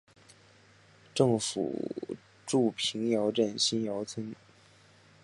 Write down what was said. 政府驻瓶窑镇新窑村。